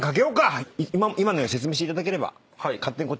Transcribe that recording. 今の説明していただければ。